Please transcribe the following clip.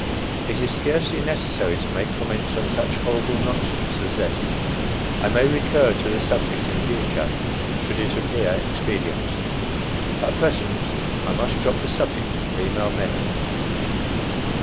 It is scarcely necessary to make comments on such horrible nonsense as this. I may recur to the subject in future, should it appear expedient. At present I must drop the subject of female men.